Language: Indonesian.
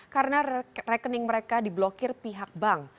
karena rekening mereka diblokir pihak bank